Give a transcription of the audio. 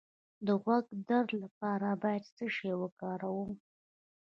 د غوږ د درد لپاره باید څه شی وکاروم؟